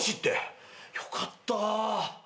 よかった。